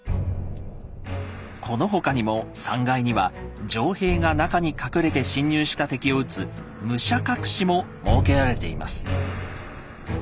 この他にも３階には城兵が中に隠れて侵入した敵を撃つ「武者隠し」も設けられています。